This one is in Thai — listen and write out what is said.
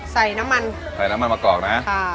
ใส่น้ำมันใส่น้ำมันมะกรอกนะค่ะ